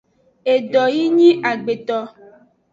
Edo yi nyi agbeto.